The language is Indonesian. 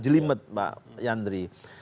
jelimet mbak yandri